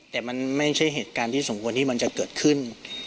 แต่มันไม่ใช่เหตุการณ์ที่สมควรที่มันจะเกิดขึ้น